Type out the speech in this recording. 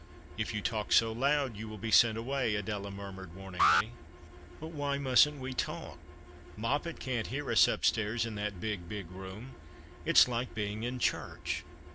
''If you talk so loud yon ^vill l)e sent away," x\dela murmured wariiingly. "But why mustn't we talk? Moppet can't hear us upstairs in that big, big room. It's like being in church.